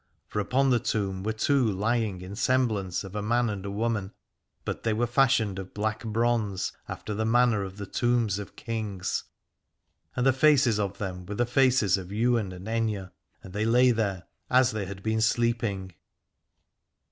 For upon the tomb were two lying in semblance of a man and a woman : but they were fashioned of black bronze after the manner of the tombs of kings. And the faces of them were the faces of Ywain and Aithne, and they lay there as they had been sleeping.